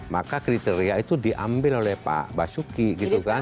maka kriteria itu diambil oleh pak basuki gitu kan